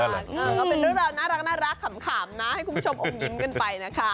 ก็เป็นเรื่องราวน่ารักขำนะให้คุณผู้ชมอมยิ้มกันไปนะคะ